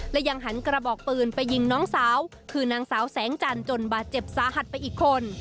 และยังหันกระบอกปืนไปยิงน้องสาวคือนางสาวแสงจันทร์จนบาดเจ็บสาหัสไปอีกคน